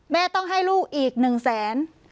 แม่ต้องให้ลูกอีก๑๐๐๐๐๐บาท